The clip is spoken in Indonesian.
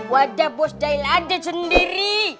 wadah bos dahil ada sendiri